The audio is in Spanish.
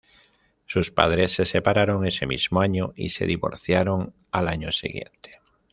Sus padres se separaron ese mismo año y se divorciaron al año siguiente.